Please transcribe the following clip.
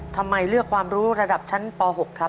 ทำไมเลือกความรู้ระดับชั้นป๖ครับ